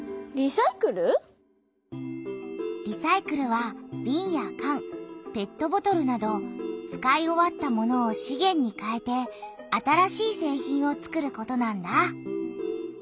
リサイクルはびんやかんペットボトルなど使い終わったものを「資源」にかえて新しい製品を作ることなんだ。